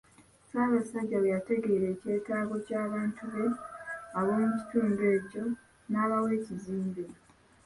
Ssaabasajja bwe yategeera ekyetaago ky'abantu be ab'omu kitundu ekyo, n'abawa ekizimbe.